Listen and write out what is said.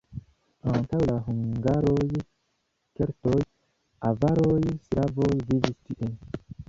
Antaŭ la hungaroj keltoj, avaroj, slavoj vivis tie.